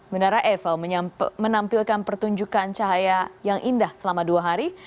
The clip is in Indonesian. menara eiffel menampilkan pertunjukan cahaya yang indah selama dua hari